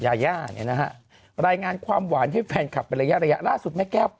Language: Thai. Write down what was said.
ยานะฮะรายงานความหวานให้แฟนขับระยะล่าสุดแม่แก้ว